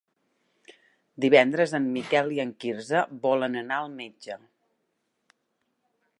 Divendres en Miquel i en Quirze volen anar al metge.